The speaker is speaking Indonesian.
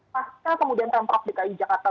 pasca kemudian pemprov dki jakarta